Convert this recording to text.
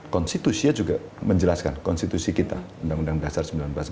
konstitusinya juga menjelaskan konstitusi kita undang undang dasar seribu sembilan ratus empat puluh lima